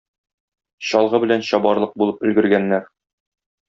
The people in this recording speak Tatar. Чалгы белән чабарлык булып өлгергәннәр.